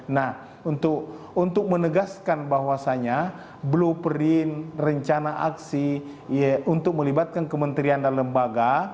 nah untuk menegaskan bahwasannya blueprint rencana aksi untuk melibatkan kementerian dan lembaga